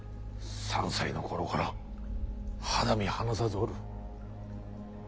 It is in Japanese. ３歳の頃から肌身離さずおる。